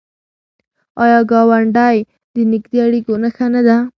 آیا ګاونډی د نږدې اړیکو نښه نه ده؟